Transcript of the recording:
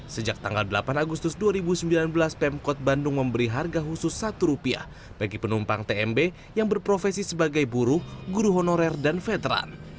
sejak tanggal delapan agustus dua ribu sembilan belas pemkot bandung memberi harga khusus rp satu bagi penumpang tmb yang berprofesi sebagai buruh guru honorer dan veteran